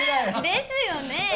ですよね！